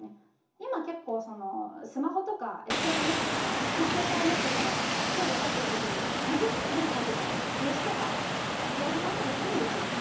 今結構スマホとかＳＮＳとか携帯持ってたらトイレ入ってる時に３０分もね入ってたら通知とか表示されたりするんですよね。